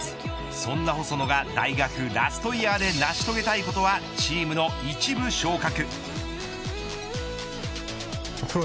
そんな細野が大学ラストイヤーで成し遂げたいことはチームの１部昇格。